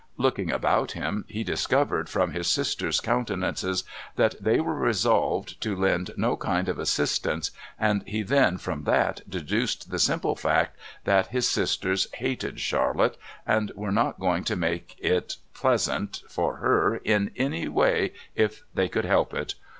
Looking about him, he discovered from his sisters' countenances that they were resolved to lend no kind of assistance, and he then from that deduced the simple fact that his sisters hated Charlotte and were not going to make it pleasant for her in any way if they could help it.